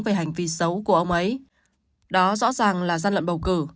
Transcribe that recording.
về hành vi xấu của ông ấy đó rõ ràng là gian lận bầu cử